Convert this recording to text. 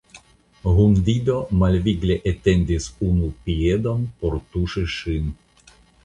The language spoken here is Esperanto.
Hundido malvigle etendis unu piedon por tuŝi ŝin.